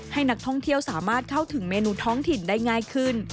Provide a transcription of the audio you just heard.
ให้นักท่องเที่ยวสามารถเข้าถึงเมนูท้องถิ่นได้ง่ายขึ้น